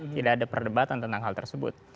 tidak ada perdebatan tentang hal tersebut